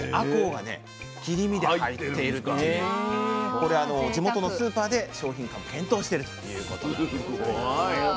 これ地元のスーパーで商品化を検討してるということなんでございます。